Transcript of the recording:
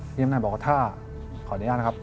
จำนายบอกว่าถ้าขออนุญาตนะครับ